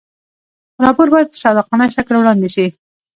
راپور باید په صادقانه شکل وړاندې شي.